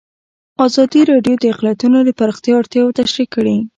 ازادي راډیو د اقلیتونه د پراختیا اړتیاوې تشریح کړي.